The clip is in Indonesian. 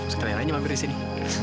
sekarang aja mampir di sini